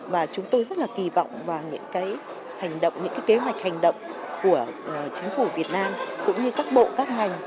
và chúng tôi rất là kỳ vọng và những kế hoạch hành động của chính phủ việt nam cũng như các bộ các ngành